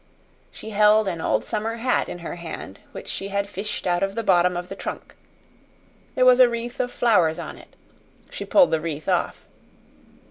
She held an old summer hat in her hand which she had fished out of the bottom of the trunk. There was a wreath of flowers on it. She pulled the wreath off.